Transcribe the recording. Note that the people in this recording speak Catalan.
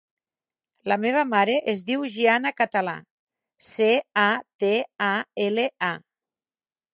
La meva mare es diu Gianna Catala: ce, a, te, a, ela, a.